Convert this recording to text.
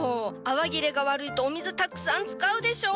泡切れが悪いとお水たくさん使うでしょ！？